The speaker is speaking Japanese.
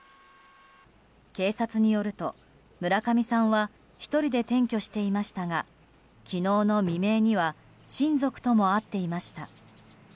警察によると、村上さんは１人で転居していましたが昨日の未明には親族とも会っていました。